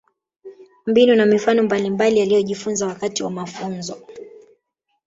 Mbinu na mifano mbalimbali aliyojifunza wakati wa mafunzo